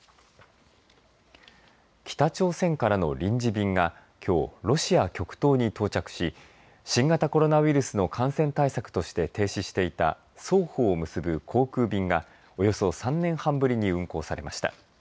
北朝鮮からの臨時便がきょうロシア極東に到着し新型コロナウイルスの感染対策として停止していた双方を結ぶ航空便がおよそ３年半ぶりに運航されました。